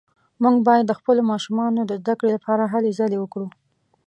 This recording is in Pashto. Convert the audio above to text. موږ باید د خپلو ماشومانو د زده کړې لپاره هلې ځلې وکړو